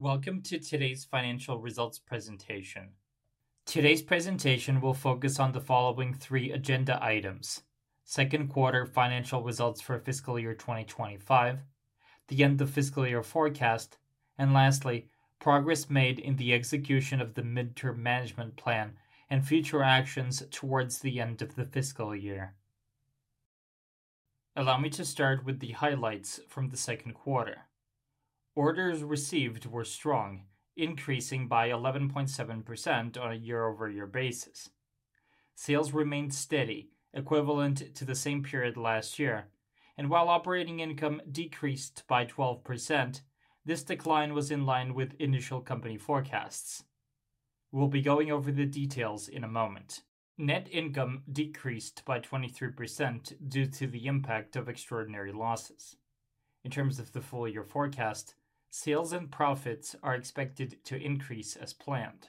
Welcome to today's financial results presentation. Today's presentation will focus on the following three agenda items: second-quarter financial results for fiscal year 2025, the end-of-fiscal-year forecast, and lastly, progress made in the execution of the Mid-Term Management Plan and future actions towards the end of the fiscal year. Allow me to start with the highlights from the second quarter. Orders received were strong, increasing by 11.7% on a year-over-year basis. Sales remained steady, equivalent to the same period last year, and while operating income decreased by 12%, this decline was in line with initial company forecasts. We'll be going over the details in a moment. Net income decreased by 23% due to the impact of extraordinary losses. In terms of the full-year forecast, sales and profits are expected to increase as planned.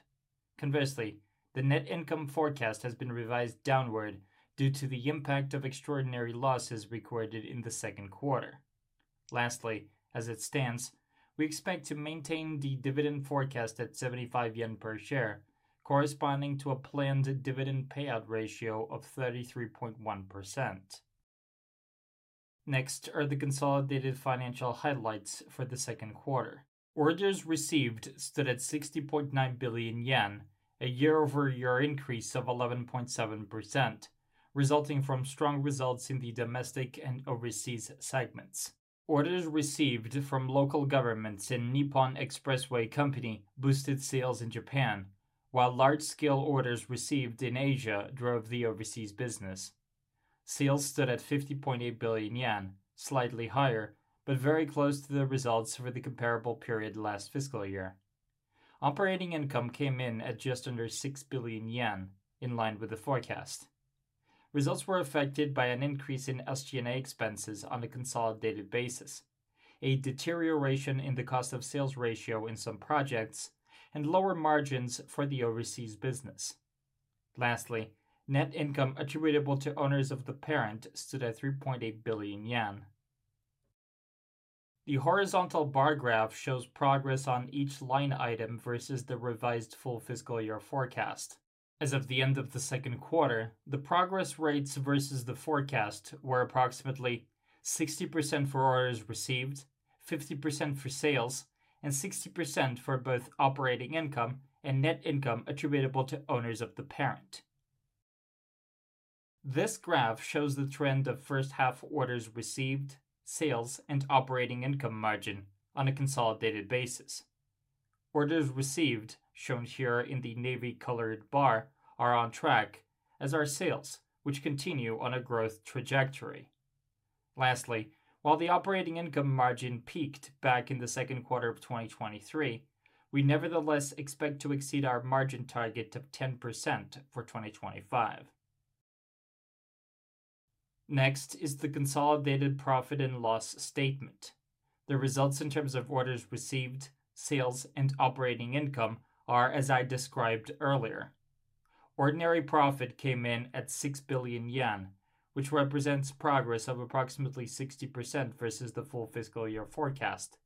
Conversely, the net income forecast has been revised downward due to the impact of extraordinary losses recorded in the second quarter. Lastly, as it stands, we expect to maintain the dividend forecast at 75 yen per share, corresponding to a planned dividend payout ratio of 33.1%. Next are the consolidated financial highlights for the second quarter. Orders received stood at 60.9 billion yen, a year-over-year increase of 11.7%, resulting from strong results in the domestic and overseas segments. Orders received from local governments and Nippon Expressway Company boosted sales in Japan, while large-scale orders received in Asia drove the overseas business. Sales stood at 50.8 billion yen, slightly higher, but very close to the results for the comparable period last fiscal year. Operating income came in at just under 6 billion yen, in line with the forecast. Results were affected by an increase in SG&A expenses on a consolidated basis, a deterioration in the cost-of-sales ratio in some projects, and lower margins for the overseas business. Lastly, net income attributable to owners of the parent stood at 3.8 billion yen. The horizontal bar graph shows progress on each line item versus the revised full fiscal year forecast. As of the end of the second quarter, the progress rates versus the forecast were approximately 60% for orders received, 50% for sales, and 60% for both operating income and net income attributable to owners of the parent. This graph shows the trend of first-half orders received, sales, and operating income margin on a consolidated basis. Orders received, shown here in the navy-colored bar, are on track, as are sales, which continue on a growth trajectory. Lastly, while the operating income margin peaked back in the second quarter of 2023, we nevertheless expect to exceed our margin target of 10% for 2025. Next is the consolidated profit and loss statement. The results in terms of orders received, sales, and operating income are, as I described earlier. Ordinary profit came in at 6 billion yen, which represents progress of approximately 60% versus the full fiscal year forecast,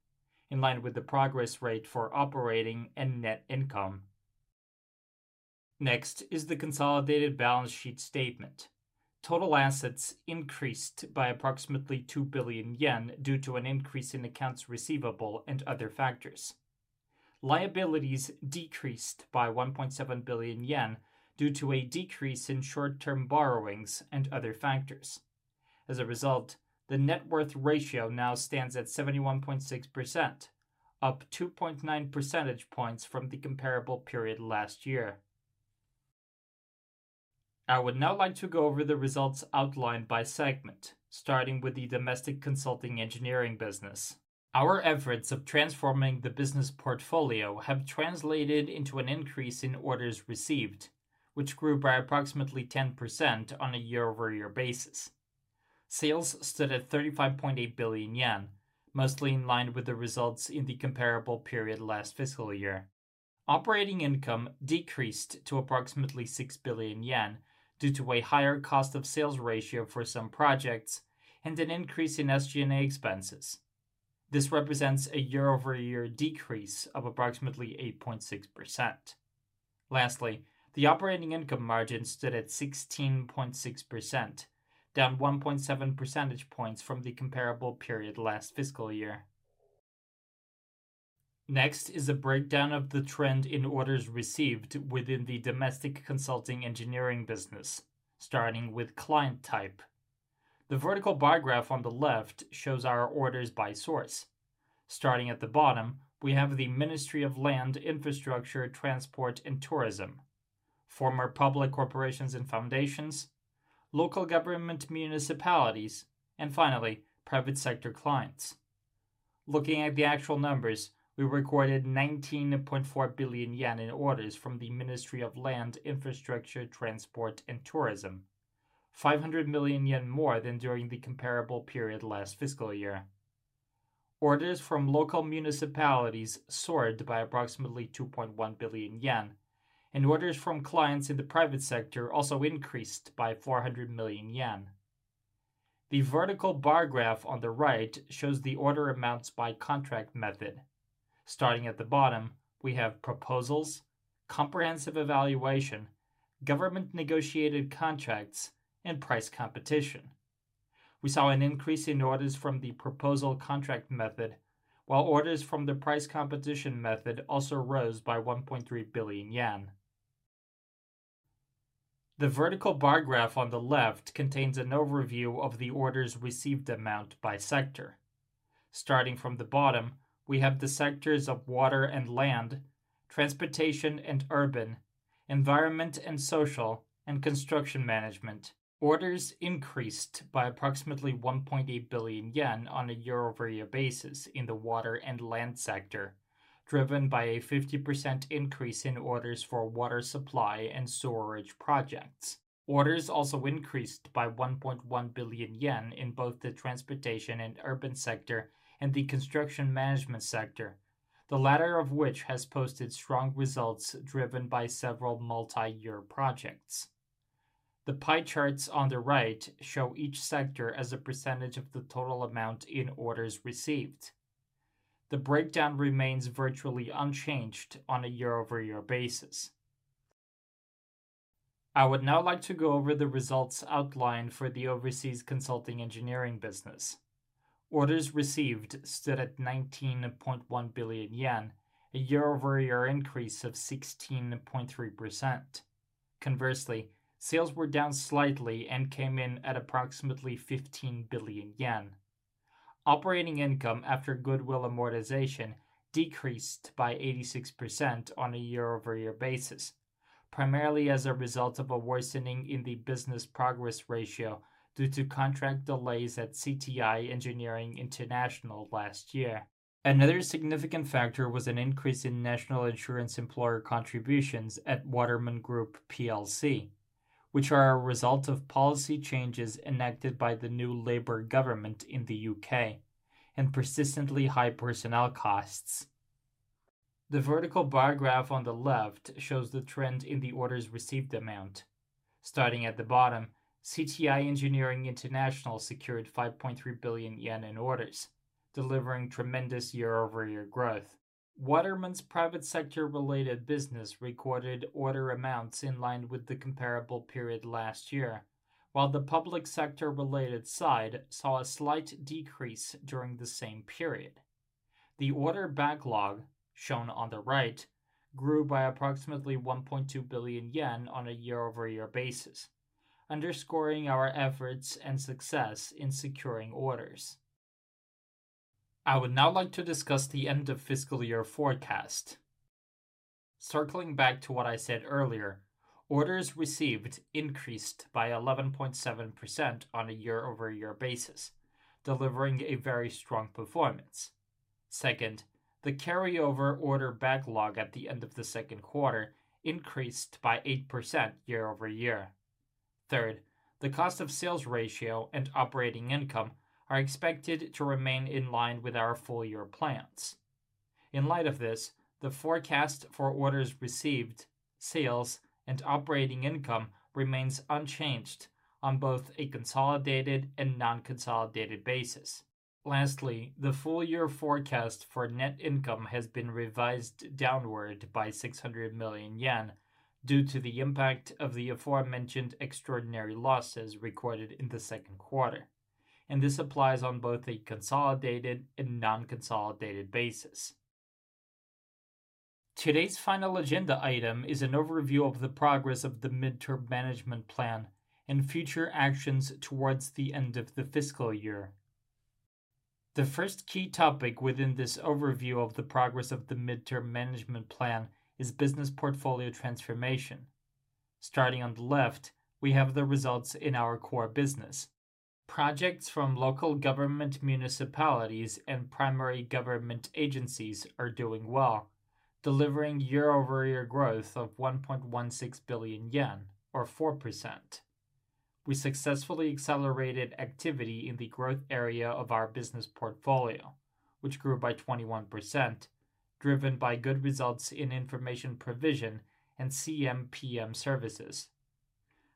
in line with the progress rate for operating and net income. Next is the consolidated balance sheet statement. Total assets increased by approximately 2 billion yen due to an increase in accounts receivable and other factors. Liabilities decreased by 1.7 billion yen due to a decrease in short-term borrowings and other factors. As a result, the net worth ratio now stands at 71.6%, up 2.9 percentage points from the comparable period last year. I would now like to go over the results outlined by segment, starting with the Domestic Consulting Engineering Business. Our efforts of transforming the business portfolio have translated into an increase in orders received, which grew by approximately 10% on a year-over-year basis. Sales stood at 35.8 billion yen, mostly in line with the results in the comparable period last fiscal year. Operating income decreased to approximately 6 billion yen due to a higher cost-of-sales ratio for some projects and an increase in SG&A expenses. This represents a year-over-year decrease of approximately 8.6%. Lastly, the operating income margin stood at 16.6%, down 1.7 percentage points from the comparable period last fiscal year. Next is a breakdown of the trend in orders received within the Domestic Consulting Engineering Business, starting with client type. The vertical bar graph on the left shows our orders by source. Starting at the bottom, we have the Ministry of Land, Infrastructure, Transport and Tourism, former public corporations and foundations, local government municipalities, and finally, private sector clients. Looking at the actual numbers, we recorded 19.4 billion yen in orders from the Ministry of Land, Infrastructure, Transport and Tourism, 500 million yen more than during the comparable period last fiscal year. Orders from local municipalities soared by approximately 2.1 billion yen, and orders from clients in the private sector also increased by 400 million yen. The vertical bar graph on the right shows the order amounts by contract method. Starting at the bottom, we have proposals, comprehensive evaluation, government-negotiated contracts, and price competition. We saw an increase in orders from the proposal contract method, while orders from the price competition method also rose by 1.3 billion yen. The vertical bar graph on the left contains an overview of the orders received amount by sector. Starting from the bottom, we have the sectors of Water and Land, Transportation and Urban, Environment and Social, and Construction Management. Orders increased by approximately 1.8 billion yen on a year-over-year basis in the Water and Land sector, driven by a 50% increase in orders for water supply and sewerage projects. Orders also increased by 1.1 billion yen in both the Transportation and Urban sector and the Construction Management sector, the latter of which has posted strong results driven by several multi-year projects. The pie charts on the right show each sector as a percentage of the total amount in orders received. The breakdown remains virtually unchanged on a year-over-year basis. I would now like to go over the results outlined for the Overseas Consulting Engineering Business. Orders received stood at 19.1 billion yen, a year-over-year increase of 16.3%. Conversely, sales were down slightly and came in at approximately 15 billion yen. Operating income after goodwill amortization decreased by 86% on a year-over-year basis, primarily as a result of a worsening in the business progress ratio due to contract delays at CTI Engineering International last year. Another significant factor was an increase in National Insurance employer contributions at Waterman Group PLC, which are a result of policy changes enacted by the new Labour government in the U.K., and persistently high personnel costs. The vertical bar graph on the left shows the trend in the orders received amount. Starting at the bottom, CTI Engineering International secured 5.3 billion yen in orders, delivering tremendous year-over-year growth. Waterman's private sector-related business recorded order amounts in line with the comparable period last year, while the public sector-related side saw a slight decrease during the same period. The order backlog, shown on the right, grew by approximately 1.2 billion yen on a year-over-year basis, underscoring our efforts and success in securing orders. I would now like to discuss the end-of-fiscal-year forecast. Circling back to what I said earlier, orders received increased by 11.7% on a year-over-year basis, delivering a very strong performance. Second, the carryover order backlog at the end of the second quarter increased by 8% year-over-year. Third, the cost-of-sales ratio and operating income are expected to remain in line with our full-year plans. In light of this, the forecast for orders received, sales, and operating income remains unchanged on both a consolidated and non-consolidated basis. Lastly, the full-year forecast for net income has been revised downward by 600 million yen due to the impact of the aforementioned extraordinary losses recorded in the second quarter, and this applies on both a consolidated and non-consolidated basis. Today's final agenda item is an overview of the progress of the Mid-Term Management Plan and future actions towards the end of the fiscal year. The first key topic within this overview of the progress of the Mid-Term Management Plan is business portfolio transformation. Starting on the left, we have the results in our core business. Projects from local government municipalities and primary government agencies are doing well, delivering year-over-year growth of 1.16 billion yen, or 4%. We successfully accelerated activity in the growth area of our business portfolio, which grew by 21%, driven by good results in information provision and CM/PM services.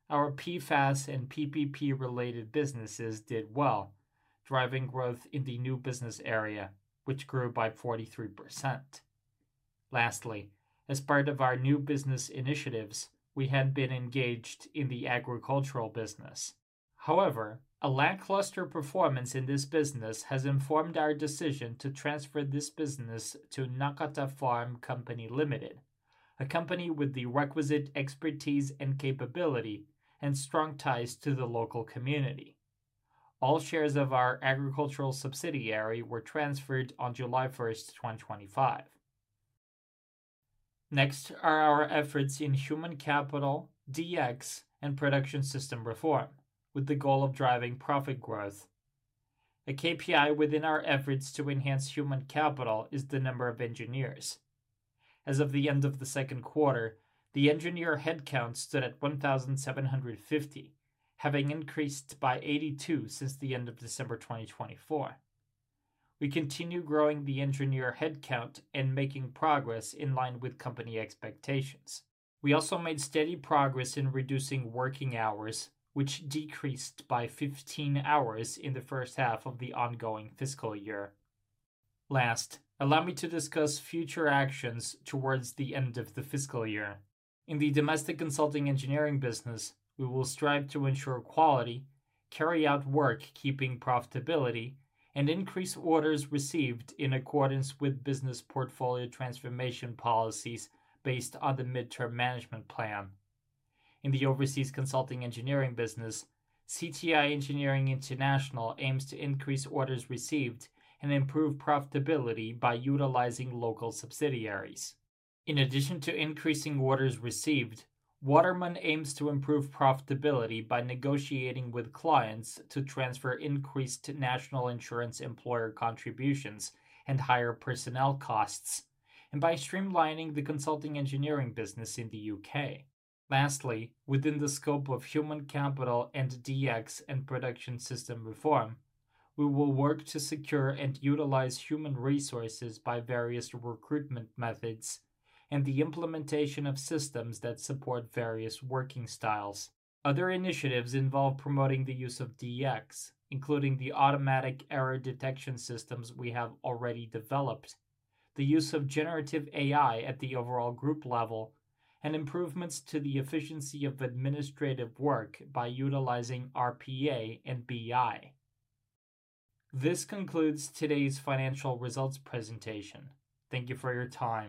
Our PFAS and PPP-related businesses did well, driving growth in the new business area, which grew by 43%. Lastly, as part of our new business initiatives, we had been engaged in the agricultural business. However, a lackluster performance in this business has informed our decision to transfer this business to Nakata Farm Co., Ltd., a company with the requisite expertise and capability, and strong ties to the local community. All shares of our agricultural subsidiary were transferred on July 1, 2025. Next are our efforts in human capital, DX, and production system reform, with the goal of driving profit growth. A KPI within our efforts to enhance human capital is the number of engineers. As of the end of the second quarter, the engineer headcount stood at 1,750, having increased by 82 since the end of December 2024. We continue growing the engineer headcount and making progress in line with company expectations. We also made steady progress in reducing working hours, which decreased by 15 hours in the first half of the ongoing fiscal year. Last, allow me to discuss future actions towards the end of the fiscal year. In the Domestic Consulting Engineering Business, we will strive to ensure quality, carry out work keeping profitability, and increase orders received in accordance with business portfolio transformation policies based on the Mid-Term Management Plan. In the Overseas Consulting Engineering Business, CTI Engineering International aims to increase orders received and improve profitability by utilizing local subsidiaries. In addition to increasing orders received, Waterman aims to improve profitability by negotiating with clients to transfer increased National Insurance employer contributions and higher personnel costs, and by streamlining the consulting engineering business in the U.K. Lastly, within the scope of human capital and DX and production system reform, we will work to secure and utilize human resources by various recruitment methods and the implementation of systems that support various working styles. Other initiatives involve promoting the use of DX, including the automatic error detection systems we have already developed, the use of generative AI at the overall group level, and improvements to the efficiency of administrative work by utilizing RPA and BI. This concludes today's financial results presentation. Thank you for your time.